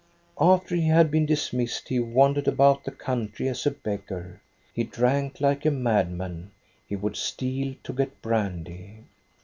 "" After he had been dismissed he wandered about the country as a beggar. He drank like a madman. He would steal to get brandy.